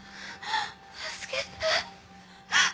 助けて。